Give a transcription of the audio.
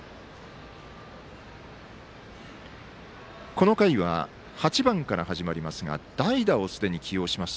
この回は８番から始まりますが代打をすでに起用します。